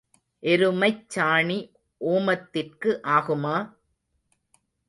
எருமைச் சாணி ஓமத்திற்கு ஆகுமா?